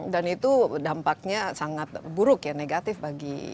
dan itu dampaknya sangat buruk ya negatif bagi